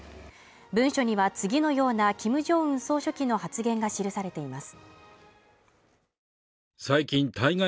文書には次のようなキム・ジョンウン総書記の発言が記されています。